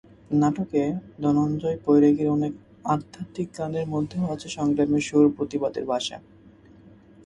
নাটকে ধনঞ্জয় বৈরাগীর অনেক আধ্যাত্মিক গানের মধ্যেও আছে সংগ্রামের সুর, প্রতিবাদের ভাষা।